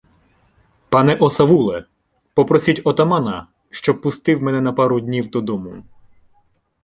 — Пане осавуле! Попросіть отамана, щоб пустив мене на пару днів додому.